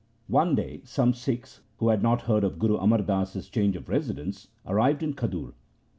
One day some Sikhs, who had not heard of Guru Amar Das's change of residence, arrived in Khadur.